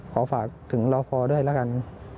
ขอฝากถึงรอพอด้วยแล้วกัน